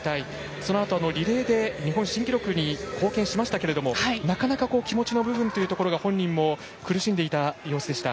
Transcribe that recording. そのあとのリレーで日本新記録に貢献しましたけれどなかなか気持ちの部分で本人も苦しんでいた様子でした。